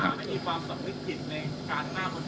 คุณตาไม่มีความสำนึกผิดในการทั้งหน้าคนตายนะ